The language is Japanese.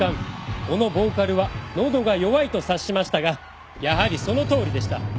このボーカルは喉が弱いと察しましたがやはりそのとおりでした。